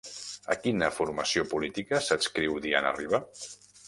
A quina formació política s'adscriu Diana Riba?